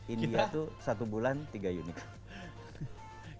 india itu satu bulan tiga unik